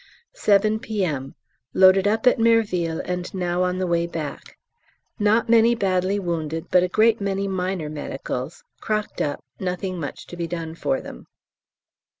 7 P.M. Loaded up at Merville and now on the way back; not many badly wounded but a great many minor medicals, crocked up, nothing much to be done for them.